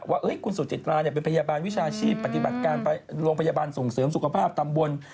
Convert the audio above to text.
ว่าคุณสุจิตราเป็นพยาบาลวิชาชีพปฏิบัติการโรงพยาบาลส่งเสริมสุขภาพตำบล